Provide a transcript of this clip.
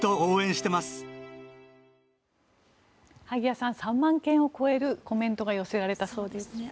萩谷さん、３万件を超えるコメントが寄せられたそうです。